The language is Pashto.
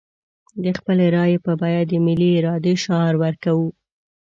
د خپلې رايې په بيه د ملي ارادې شعار ورکوو.